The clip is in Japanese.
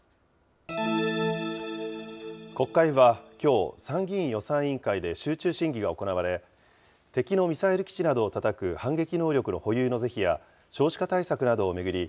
国会はきょう、参議院予算委員会で集中審議が行われ、敵のミサイル基地などをたたく反撃能力の保有の是非や、少子化対策などを巡り